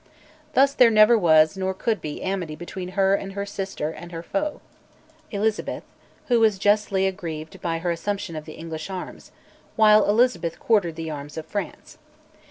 Thus there never was nor could be amity between her and her sister and her foe, Elizabeth, who was justly aggrieved by her assumption of the English arms, while Elizabeth quartered the arms of France.